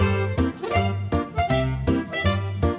ไปก่อนสละไปเรื่อย